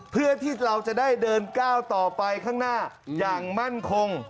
เพื่อที่เราจะได้เดินก้าวต่อไปข้างหน้าอย่างมั่นคง